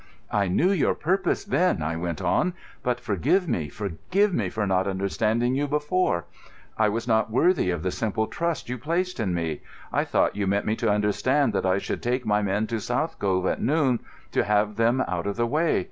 "I knew your purpose then," I went on. "But forgive me, forgive me for not understanding you before. I was not worthy of the simple trust you placed in me. I thought you meant me to understand that I should take my men to South Cove at noon to have them out of the way.